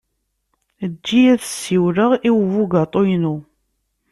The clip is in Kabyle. Eǧǧ-iyi ad ssiwleɣ i ubugaṭu-inu.